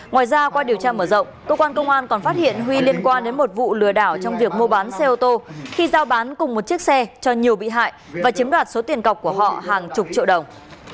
ngoài ra qua điều tra mở rộng cơ quan công an còn phát hiện huy liên quan đến một vụ lừa đảo trong việc mua bán xe ô tô khi giao bán cùng một chiếc xe cho nhiều bị hại và chiếm đoạt số tiền cọc của họ hàng chục triệu đồng